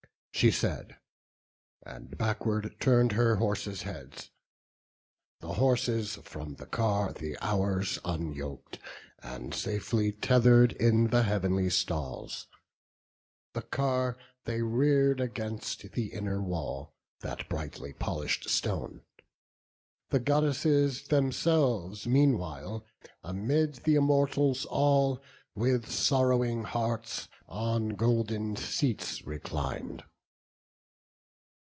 She said, and backward turn'd her horses' heads. The horses from the car the Hours unyok'd, And safely tether'd in the heav'nly stalls; The car they rear'd against the inner wall, That brightly polish'd shone; the Goddesses Themselves meanwhile, amid th' Immortals all, With, sorrowing hearts on golden seats reclin'd.